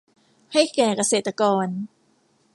ให้แก่เกษตรกร